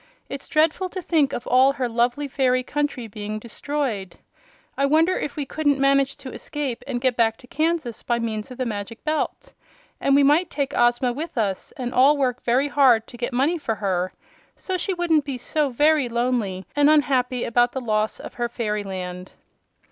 "It's dreadful to think of all her lovely fairy country being destroyed. I wonder if we couldn't manage to escape and get back to Kansas by means of the Magic Belt? And we might take Ozma with us and all work hard to get money for her, so she wouldn't be so VERY lonely and unhappy about the loss of her fairyland."